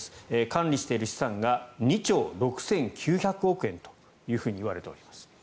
管理している資産が２兆６９００億円といわれています。